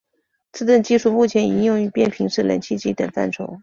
此等技术目前已应用于变频式冷气机等范畴。